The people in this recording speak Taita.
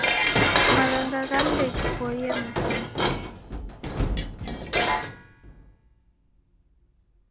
Maghanga ghamu ndeghipoie mumbinyi